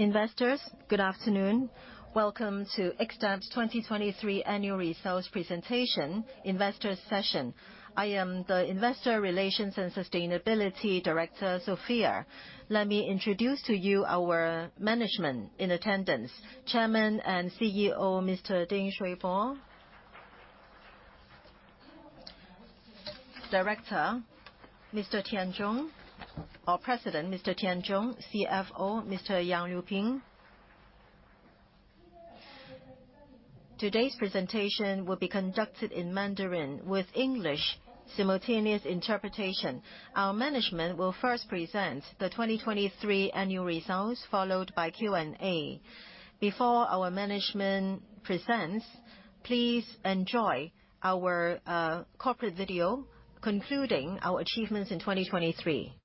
Investors, good afternoon. Welcome to Xtep's 2023 Annual Results Presentation Investors Session. I am the Investor Relations and Sustainability Director, Sophia. Let me introduce to you our management in attendance: Chairman and CEO Mr. Ding Shui Po, Director Mr. Tian Zhong, our President Mr. Tian Zhong, CFO Mr. Yang Liu Ping. Today's presentation will be conducted in Mandarin with English simultaneous interpretation. Our management will first present the 2023 Annual Results, followed by Q&A. Before our management presents, please enjoy our corporate video concluding our achievements in 2023.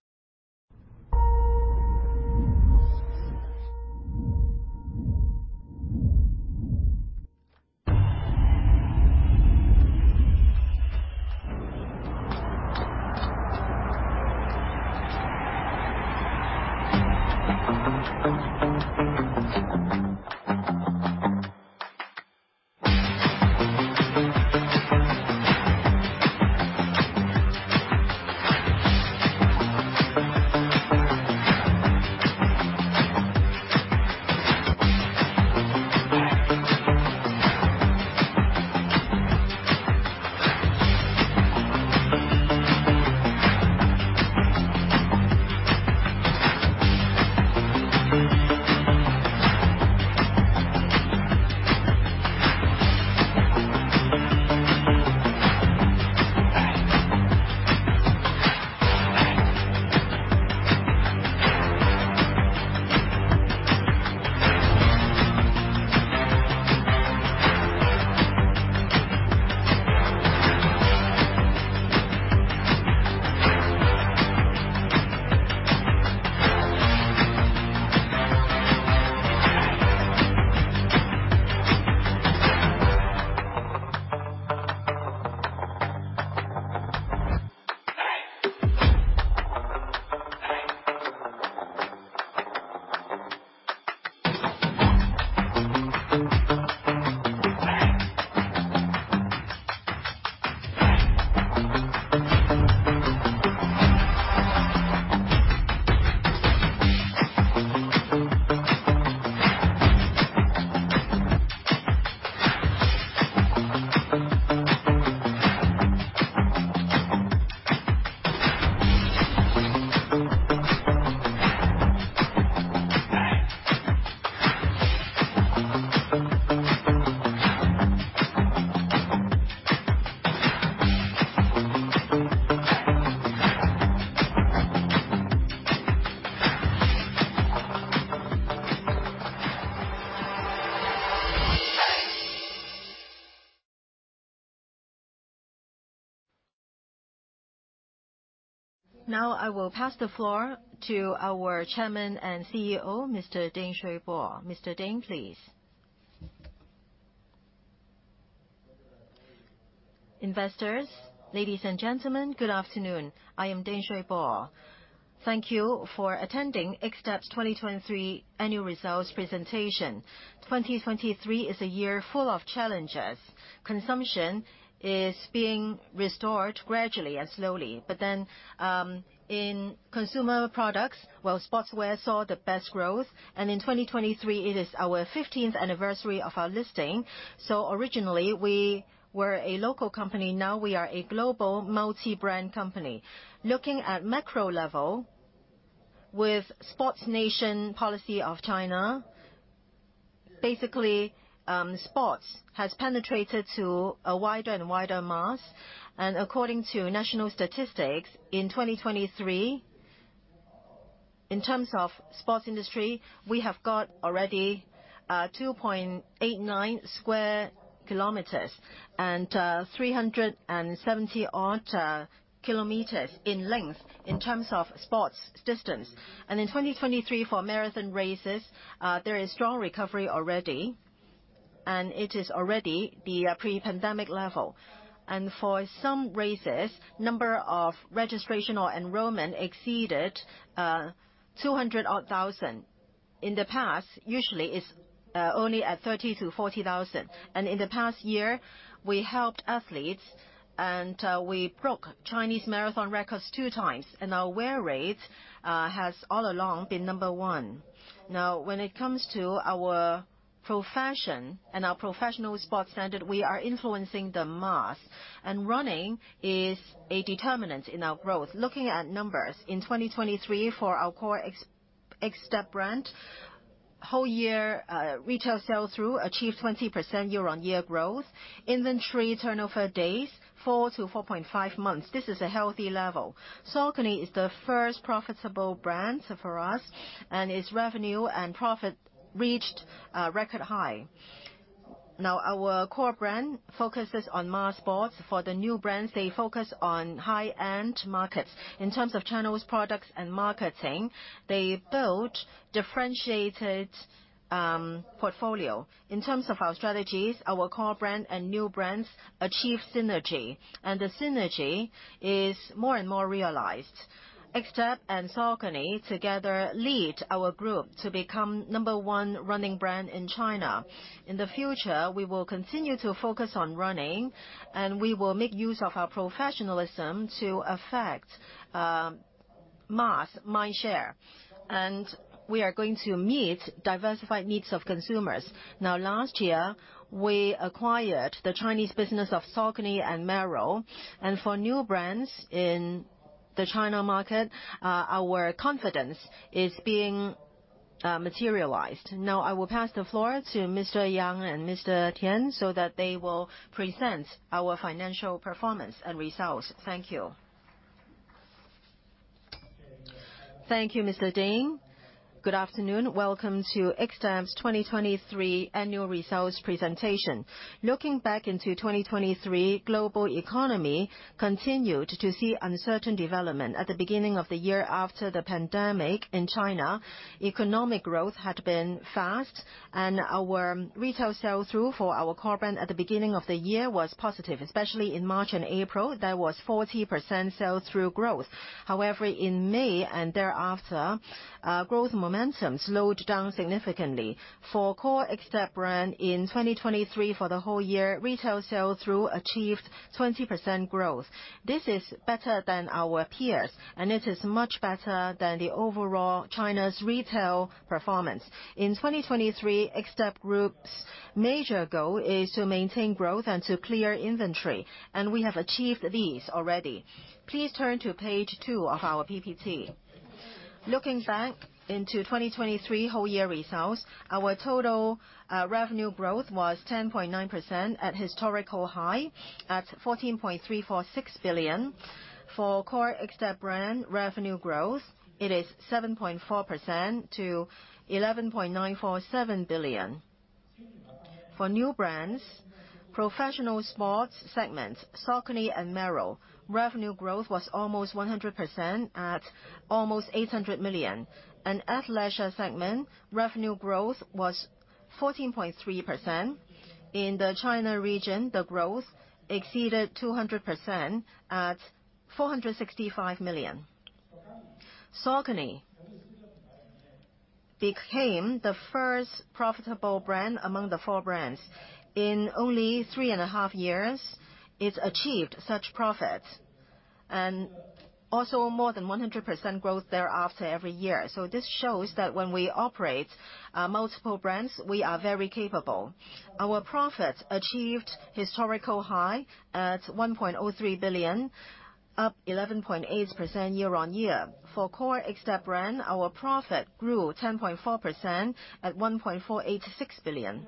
Now I will pass the floor to our Chairman and CEO Mr. Ding Shui Po. Mr. Ding, please. Investors, ladies and gentlemen, good afternoon. I am Ding Shui Po. Thank you for attending Xtep's 2023 Annual Results Presentation. 2023 is a year full of challenges. Consumption is being restored gradually and slowly. But then in consumer products, well, sportswear saw the best growth. In 2023, it is our 15th anniversary of our listing. So originally we were a local company. Now we are a global, multi-brand company. Looking at macro level, with sports nation policy of China, basically sports has penetrated to a wider and wider mass. And according to national statistics, in 2023, in terms of sports industry, we have got already 2.89 sq km and 370-odd km in terms of sports distance. And in 2023, for marathon races, there is strong recovery already, and it is already the pre-pandemic level. And for some races, the number of registration or enrollment exceeded 200,000-odd. In the past, usually it's only at 30,000-40,000. And in the past year, we helped athletes, and we broke Chinese marathon records two times. Our wear rate has all along been number one. Now, when it comes to our profession and our professional sports standard, we are influencing the masses. Running is a determinant in our growth. Looking at numbers in 2023 for our core Xtep brand, whole year retail sell-through achieved 20% year-on-year growth. Inventory turnover days fall to 4.5 months. This is a healthy level. Saucony is the first profitable brand for us, and its revenue and profit reached record high. Now, our core brand focuses on mass sports. For the new brands, they focus on high-end markets. In terms of channels' products and marketing, they built a differentiated portfolio. In terms of our strategies, our core brand and new brands achieve synergy, and the synergy is more and more realized. Xtep and Saucony together lead our group to become number one running brand in China. In the future, we will continue to focus on running, and we will make use of our professionalism to affect mass mindshare. And we are going to meet diversified needs of consumers. Now, last year we acquired the Chinese business of Saucony and Merrell. For new brands in the China market, our confidence is being materialized. Now I will pass the floor to Mr. Yang and Mr. Tian so that they will present our financial performance and results. Thank you. Thank you, Mr. Ding. Good afternoon. Welcome to Xtep's 2023 Annual Results Presentation. Looking back into 2023, the global economy continued to see uncertain development. At the beginning of the year after the pandemic in China, economic growth had been fast, and our retail sales through for our core brand at the beginning of the year was positive, especially in March and April. There was 40% sales through growth. However, in May and thereafter, growth momentum slowed down significantly. For the core Xtep brand in 2023, for the whole year, retail sell-through achieved 20% growth. This is better than our peers, and it is much better than the overall China's retail performance. In 2023, Xtep Group's major goal is to maintain growth and to clear inventory. And we have achieved these already. Please turn to page two of our PPT. Looking back into 2023 whole year results, our total revenue growth was 10.9%, at historical high at 14.346 billion. For the core Xtep brand revenue growth, it is 7.4% to 11.947 billion. For new brands, professional sports segments Saucony and Merrell, revenue growth was almost 100% at almost 800 million. In the athleisure segment, revenue growth was 14.3%. In the China region, the growth exceeded 200% at 465 million. Saucony became the first profitable brand among the four brands. In only three and half years, it achieved such profits and also more than 100% growth thereafter every year. So this shows that when we operate multiple brands, we are very capable. Our profits achieved historical high at 1.03 billion, up 11.8% year-on-year. For the core Xtep brand, our profit grew 10.4% at 1.486 billion.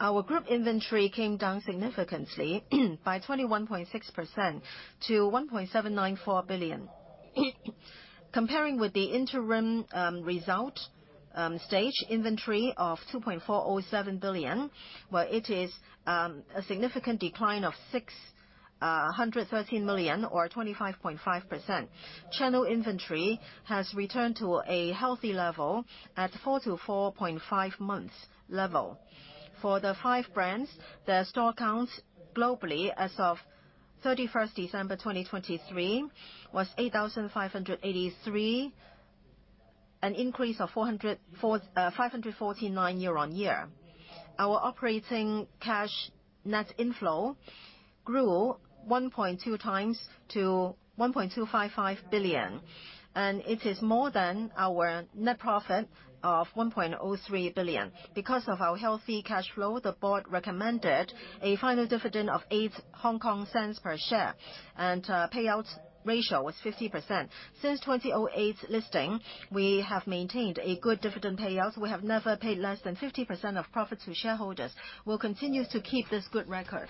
Our group inventory came down significantly by 21.6% to 1.794 billion. Comparing with the interim result stage, inventory of 2.407 billion, well, it is a significant decline of 613 million or 25.5%. Channel inventory has returned to a healthy level at four to four and half months level. For the five brands, their store counts globally as of 31st December 2023 was 8,583, an increase of 549 year-on-year. Our operating cash net inflow grew 1.2xto 1.255 billion, and it is more than our net profit of 1.03 billion. Because of our healthy cash flow, the board recommended a final dividend of 0.08 per share, and the payout ratio was 50%. Since 2008 listing, we have maintained a good dividend payout. We have never paid less than 50% of profits to shareholders. We'll continue to keep this good record.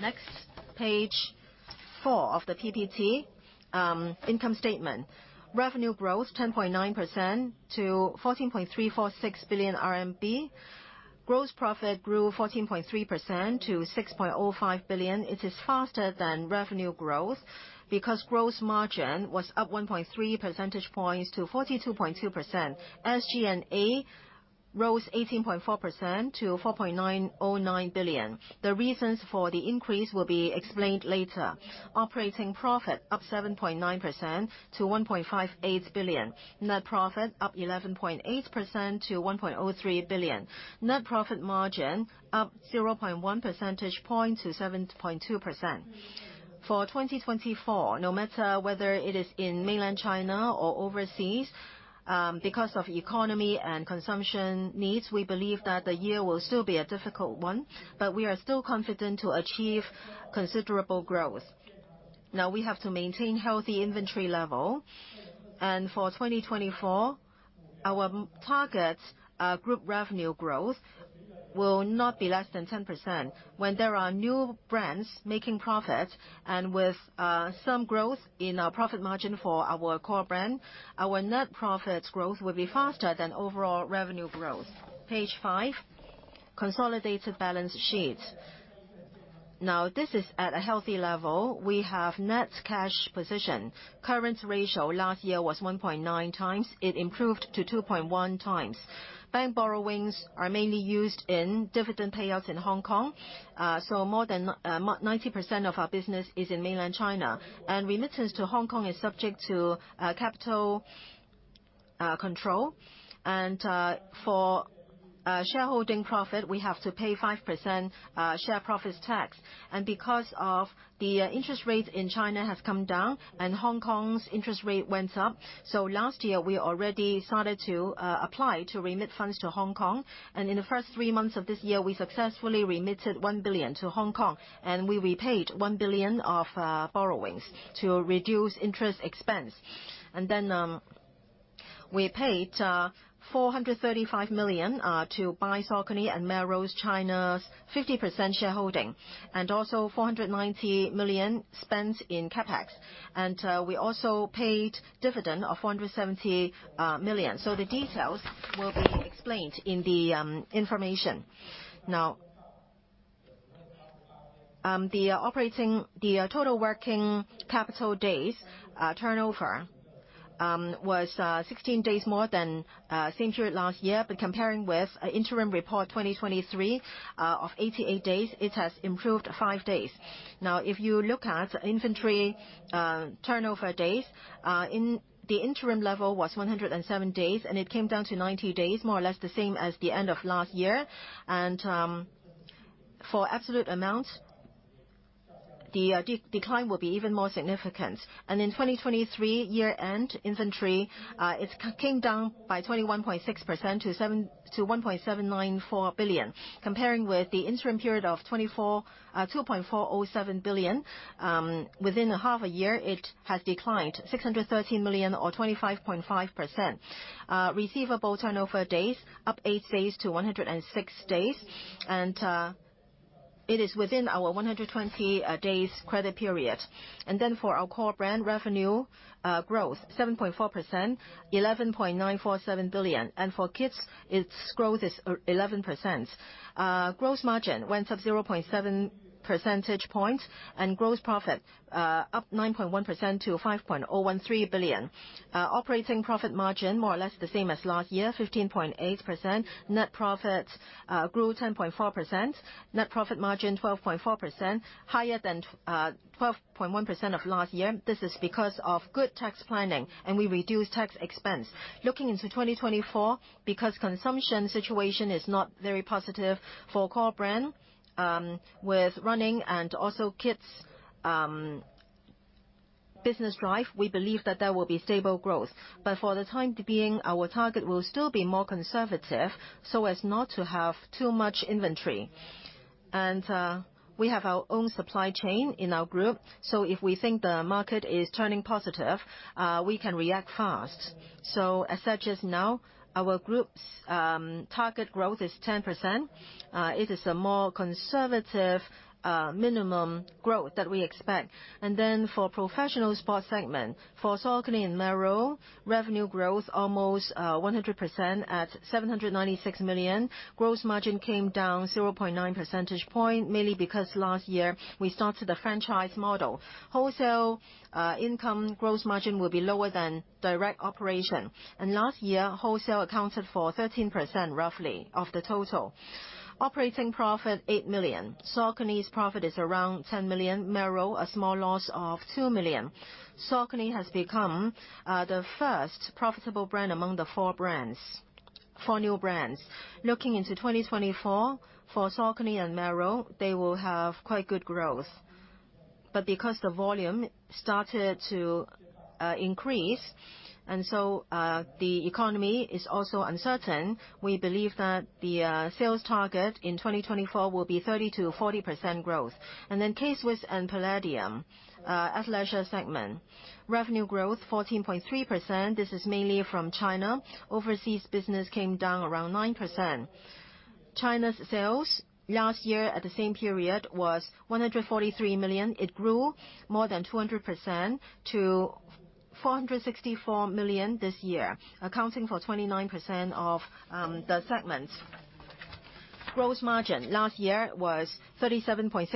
Next, page of the PPT income statement: revenue growth 10.9% to 14.346 billion RMB. Gross profit grew 14.3% to 6.05 billion. It is faster than revenue growth because gross margin was up 1.3 percentage points to 42.2%. SG&A rose 18.4% to 4.909 billion. The reasons for the increase will be explained later. Operating profit up 7.9% to 1.58 billion. Net profit up 11.8% to 1.03 billion. Net profit margin up 0.1 percentage point to 7.2%. For 2024, no matter whether it is in Mainland China or overseas, because of economy and consumption needs, we believe that the year will still be a difficult one, but we are still confident to achieve considerable growth. Now we have to maintain a healthy inventory level. For 2024, our target group revenue growth will not be less than 10%. When there are new brands making profits and with some growth in our profit margin for our core brand, our net profit growth will be faster than overall revenue growth. Page five, consolidated balance sheet. Now this is at a healthy level. We have net cash position. The current ratio last year was 1.9x. It improved to 2.1x. Bank borrowings are mainly used in dividend payouts in Hong Kong. So more than 90% of our business is in mainland China. Remittance to Hong Kong is subject to capital control. For shareholding profit, we have to pay 5% share profits tax. Because of the interest rates in China have come down and Hong Kong's interest rate went up, last year we already started to apply to remit funds to Hong Kong. In the first three months of this year, we successfully remitted 1 billion to Hong Kong, and we repaid 1 billion of borrowings to reduce interest expense. Then we paid 435 million to buy Saucony and Merrell's China 50% shareholding and also 490 million spent in CapEx. We also paid a dividend of 470 million. So the details will be explained in the information. Now, the total working capital days turnover was 16 days more than same period last year. Comparing with the interim report 2023 of 88 days, it has improved 5 days. Now, if you look at inventory turnover days, the interim level was 107 days, and it came down to 90 days, more or less the same as the end of last year. For absolute amounts, the decline will be even more significant. In 2023 year-end inventory, it came down by 21.6% to 1.794 billion. Comparing with the interim period of 2024 2.407 billion, within half a year it has declined 613 million or 25.5%. Receivable turnover days up 8 days to 106 days, and it is within our 120-day credit period. Then for our core brand revenue growth, 7.4%, 11.947 billion. For kids, its growth is 11%. Gross margin went up 0.7 percentage points and gross profit up 9.1% to 5.013 billion. Operating profit margin, more or less the same as last year, 15.8%. Net profit grew 10.4%. Net profit margin 12.4%, higher than 12.1% of last year. This is because of good tax planning, and we reduced tax expense. Looking into 2024, because the consumption situation is not very positive for the core brand with running and also kids' business drive, we believe that there will be stable growth. But for the time being, our target will still be more conservative so as not to have too much inventory. And we have our own supply chain in our group. So if we think the market is turning positive, we can react fast. So as such as now, our group's target growth is 10%. It is a more conservative minimum growth that we expect. And then for the professional sports segment, for Saucony and Merrell, revenue growth almost 100% at 796 million. Gross margin came down 0.9 percentage point, mainly because last year we started the franchise model. Wholesale income gross margin will be lower than direct operation. And last year, wholesale accounted for 13% roughly of the total. Operating profit, 8 million. Saucony's profit is around 10 million. Merrell, a small loss of 2 million. Saucony has become the first profitable brand among the four brands for new brands. Looking into 2024, for Saucony and Merrell, they will have quite good growth. But because the volume started to increase and so the economy is also uncertain, we believe that the sales target in 2024 will be 30%-40% growth. And then K-Swiss and Palladium, athleisure segment, revenue growth 14.3%. This is mainly from China. Overseas business came down around 9%. China's sales last year at the same period was 143 million. It grew more than 200% to 464 million this year, accounting for 29% of the segment. Gross margin last year was 37.6%.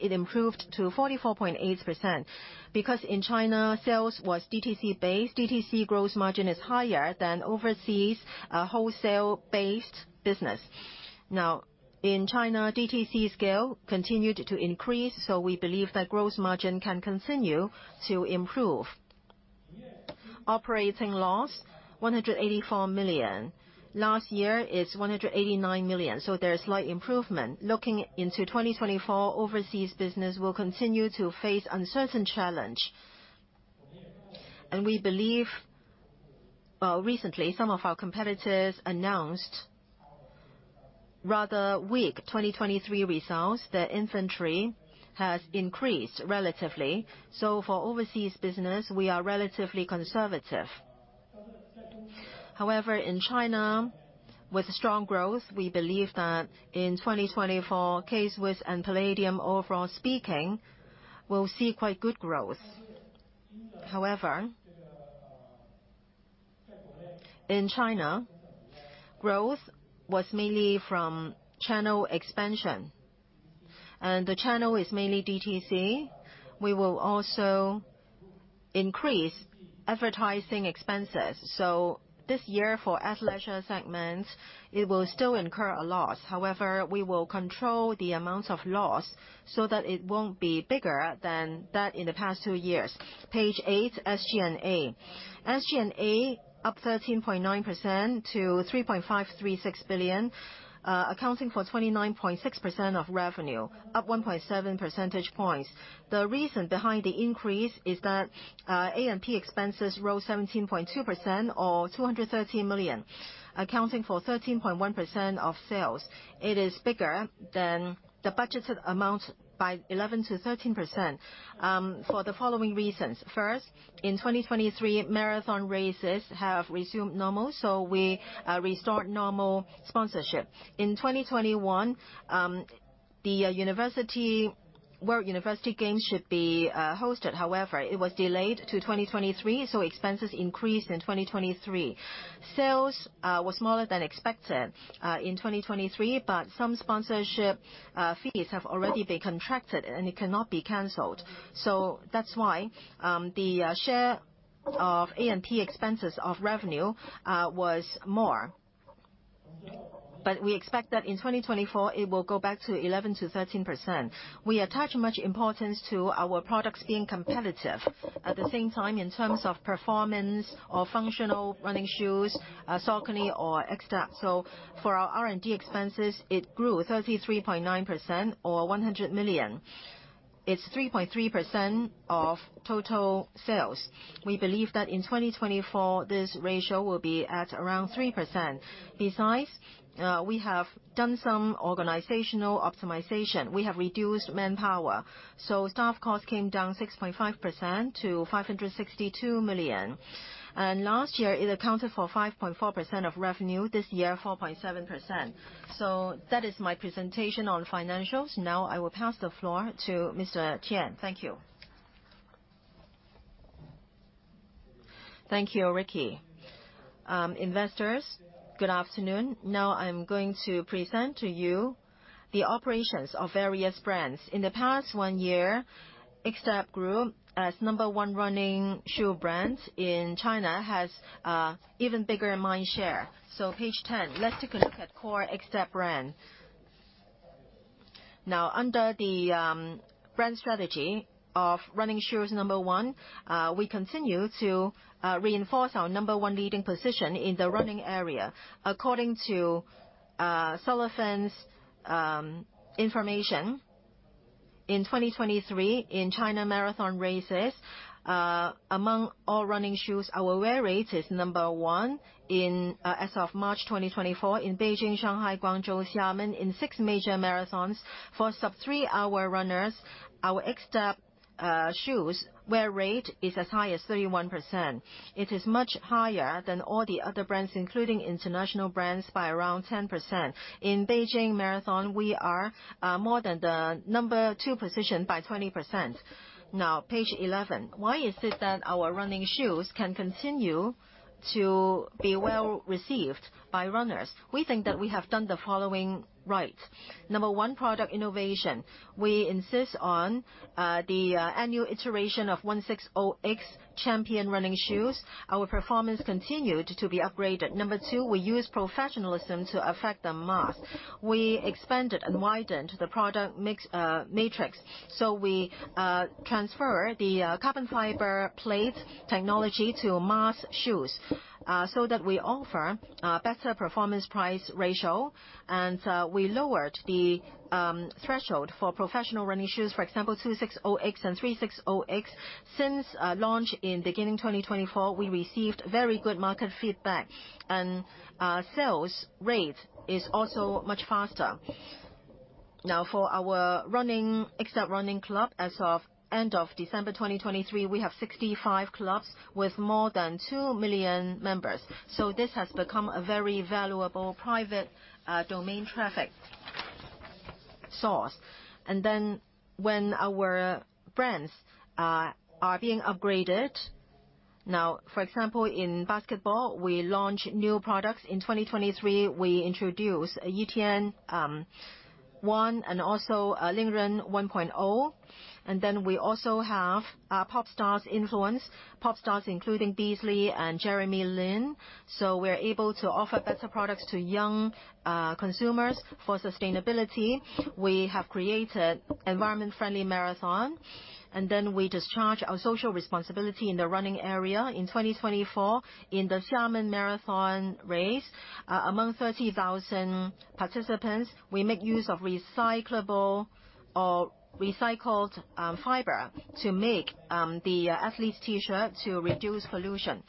It improved to 44.8% because in China sales was DTC-based. DTC gross margin is higher than overseas wholesale-based business. Now, in China, DTC scale continued to increase, so we believe that gross margin can continue to improve. Operating loss, 184 million. Last year is 189 million, so there is slight improvement. Looking into 2024, overseas business will continue to face uncertain challenges. We believe recently some of our competitors announced rather weak 2023 results. Their inventory has increased relatively. So for overseas business, we are relatively conservative. However, in China, with strong growth, we believe that in 2024, K-Swiss and Palladium, overall speaking, will see quite good growth. However, in China, growth was mainly from channel expansion, and the channel is mainly DTC. We will also increase advertising expenses. So this year for athleisure segments, it will still incur a loss. However, we will control the amounts of loss so that it won't be bigger than that in the past two years. Page 8, SG&A. SG&A up 13.9% to 3.536 billion, accounting for 29.6% of revenue, up 1.7 percentage points. The reason behind the increase is that A&P expenses rose 17.2% or 213 million, accounting for 13.1% of sales. It is bigger than the budgeted amount by 11%-13% for the following reasons. First, in 2023, marathon races have resumed normal, so we restored normal sponsorship. In 2021, the World University Games should be hosted. However, it was delayed to 2023, so expenses increased in 2023. Sales were smaller than expected in 2023, but some sponsorship fees have already been contracted, and it cannot be canceled. So that's why the share of A&P expenses of revenue was more. But we expect that in 2024, it will go back to 11%-13%. We attach much importance to our products being competitive at the same time in terms of performance or functional running shoes, Saucony or Xtep. So for our R&D expenses, it grew 33.9% or 100 million. It's 3.3% of total sales. We believe that in 2024, this ratio will be at around 3%. Besides, we have done some organizational optimization. We have reduced manpower. So staff costs came down 6.5% to 562 million. And last year, it accounted for 5.4% of revenue. This year, 4.7%. So that is my presentation on financials. Now I will pass the floor to Mr. Tian. Thank you. Thank you, Ricky. Investors, good afternoon. Now I'm going to present to you the operations of various brands. In the past one year, Xtep grew as number one running shoe brand in China, has an even bigger mindshare. Page 10, let's take a look at the core Xtep brand. Now, under the brand strategy of running shoes number one, we continue to reinforce our number one leading position in the running area. According to Sullivan's information, in 2023, in China marathon races, among all running shoes, our wear rate is number one as of March 2024 in Beijing, Shanghai, Guangzhou, Xiamen, in 6 major marathons. For sub-3-hour runners, our Xtep shoes wear rate is as high as 31%. It is much higher than all the other brands, including international brands, by around 10%. In Beijing marathon, we are more than the number two position by 20%. Now, page 11, why is it that our running shoes can continue to be well received by runners? We think that we have done the following right. Number one, product innovation. We insist on the annual iteration of 160X Champion running shoes. Our performance continued to be upgraded. Number two, we use professionalism to affect the mass. We expanded and widened the product matrix. So we transferred the carbon fiber plate technology to mass shoes so that we offer a better performance-price ratio. And we lowered the threshold for professional running shoes, for example, 260X and 360X. Since launch in the beginning of 2024, we received very good market feedback, and sales rate is also much faster. Now, for our Xtep running club, as of the end of December 2023, we have 65 clubs with more than 2 million members. So this has become a very valuable private domain traffic source. And then when our brands are being upgraded now, for example, in basketball, we launch new products. In 2023, we introduced Yutian 1.0 and also Ling Ren 1.0. And then we also have pop stars' influence, pop stars including Beasley and Jeremy Lin. So we're able to offer better products to young consumers for sustainability. We have created an environment-friendly marathon, and then we discharge our social responsibility in the running area in 2024 in the Xiamen marathon race. Among 30,000 participants, we make use of recyclable or recycled fiber to make the athlete's T-shirt to reduce pollution.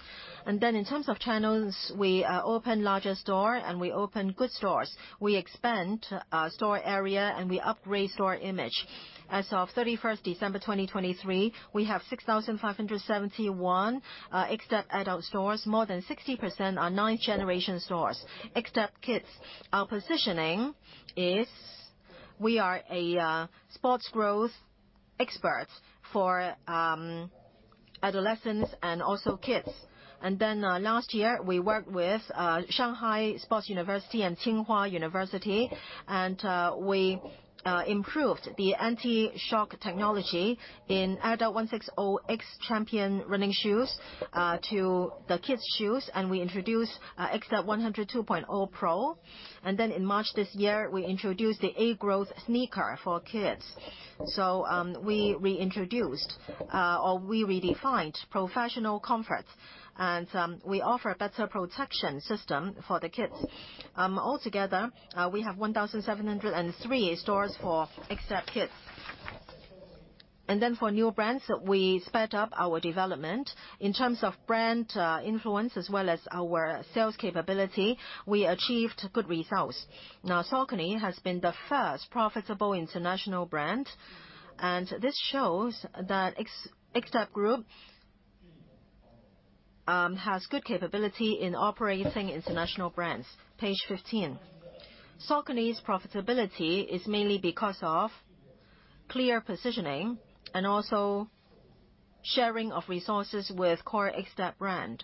And then in terms of channels, we open larger stores and we open good stores. We expand store area and we upgrade store image. As of 31st December 2023, we have 6,571 Xtep adult stores. More than 60% are ninth-generation stores, Xtep Kids. Our positioning is we are a sports growth expert for adolescents and also kids. Last year, we worked with Shanghai University of Sport and Tsinghua University, and we improved the anti-shock technology in adult 160X Champion running shoes to the kids' shoes. We introduced Xtep 100 2.0 PRO. In March this year, we introduced the A+ Healthy Growth Sneaker for kids. We reintroduced or we redefined professional comfort, and we offer a better protection system for the kids. Altogether, we have 1,703 stores for Xtep Kids. For new brands, we sped up our development in terms of brand influence as well as our sales capability. We achieved good results. Now, Saucony has been the first profitable international brand, and this shows that Xtep Group has good capability in operating international brands. Page 15, Saucony's profitability is mainly because of clear positioning and also sharing of resources with the core Xtep brand.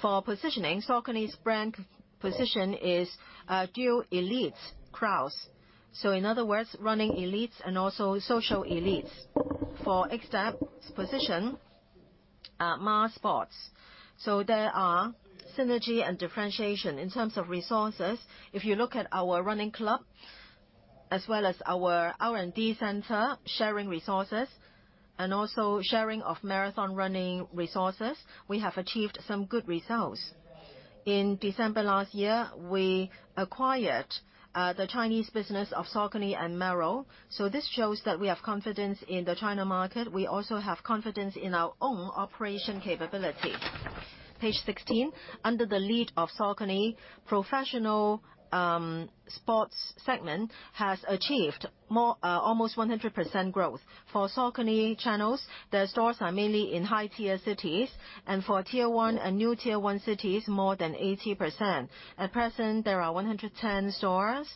For positioning, Saucony's brand position is duo elites crowds. So in other words, running elites and also social elites for Xtep's position, mass sports. So there are synergy and differentiation in terms of resources. If you look at our running club as well as our R&D center, sharing resources and also sharing of marathon running resources, we have achieved some good results. In December last year, we acquired the Chinese business of Saucony and Merrell. So this shows that we have confidence in the China market. We also have confidence in our own operation capability. Page sixteen, under the lead of Saucony, the professional sports segment has achieved almost 100% growth. For Saucony channels, their stores are mainly in high-tier cities, and for tier one and new tier one cities, more than 80%. At present, there are 110 stores,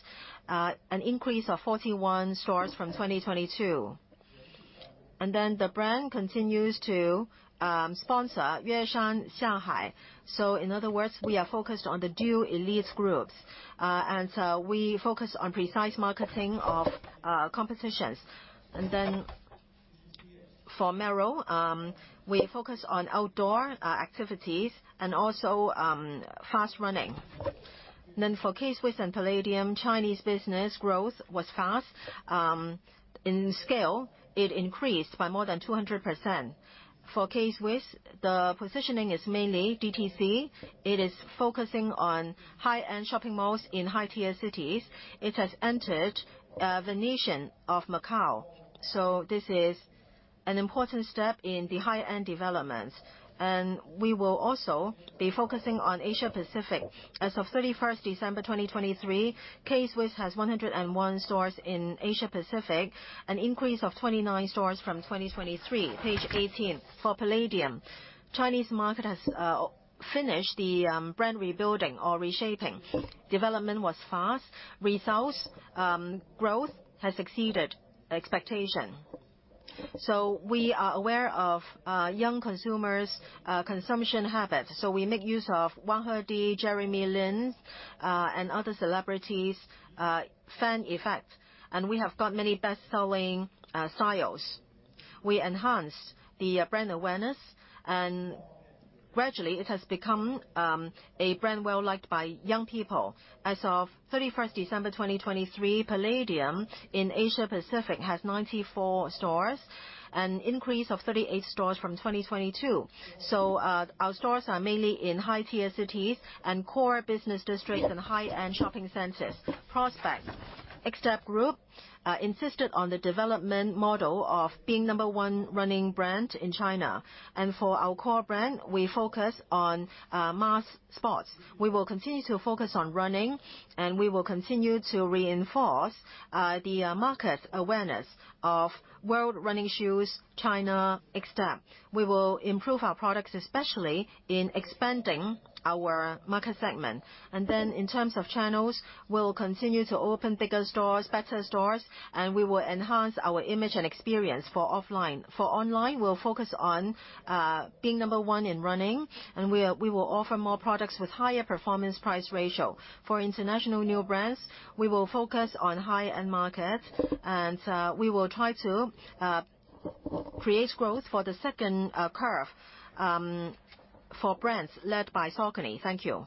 an increase of 41 stores from 2022. And then the brand continues to sponsor Yue Shan Xiang Hai. So in other words, we are focused on the duo elites groups, and we focus on precise marketing of competitions. And then for Merrell, we focus on outdoor activities and also fast running. Then for K-Swiss and Palladium, Chinese business growth was fast. In scale, it increased by more than 200%. For K-Swiss, the positioning is mainly DTC. It is focusing on high-end shopping malls in high-tier cities. It has entered The Venetian Macao. So this is an important step in the high-end developments. And we will also be focusing on Asia Pacific. As of 31st December 2023, K-Swiss has 101 stores in Asia Pacific, an increase of 29 stores from 2023. Page 18, for Palladium, the Chinese market has finished the brand rebuilding or reshaping. Development was fast. Results, growth has exceeded expectations. So we are aware of young consumers' consumption habits. We make use of Dylan Wang, Jeremy Lin, and other celebrities' fan effects, and we have got many best-selling styles. We enhanced the brand awareness, and gradually it has become a brand well-liked by young people. As of 31st December 2023, Palladium in Asia Pacific has 94 stores, an increase of 38 stores from 2022. Our stores are mainly in high-tier cities and core business districts and high-end shopping centers. Prospects, Xtep Group insisted on the development model of being number one running brand in China. For our core brand, we focus on mass sports. We will continue to focus on running, and we will continue to reinforce the market awareness of world running shoes, China, Xtep. We will improve our products, especially in expanding our market segment. And then in terms of channels, we'll continue to open bigger stores, better stores, and we will enhance our image and experience for offline. For online, we'll focus on being number one in running, and we will offer more products with a higher performance-price ratio. For international new brands, we will focus on high-end markets, and we will try to create growth for the second curve for brands led by Saucony. Thank you.